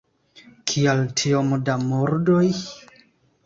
Kial tiom da murdoj?